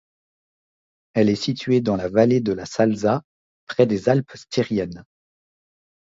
Elle est située dans la vallée de la Salza, près des alpes styriennes.